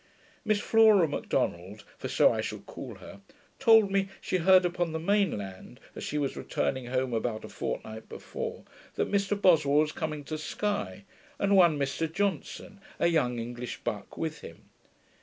Miss Flora Macdonald (for so I shall call her) told me, she heard upon the main land, as she was returning home about a fortnight before, that Mr Boswell was coming to Sky, and one Mr Johnson, a young English buck, with him.